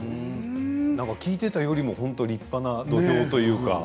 聞いていたより立派な土俵というか。